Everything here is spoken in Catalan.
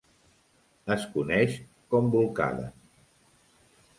Es coneix com bolcada.